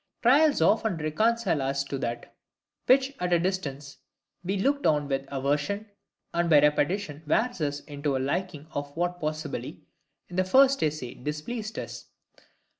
Trials often reconcile us to that, which at a distance we looked on with aversion; and by repetitions wear us into a liking of what possibly, in the first essay, displeased us.